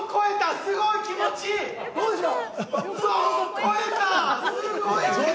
すごい気持ちいい！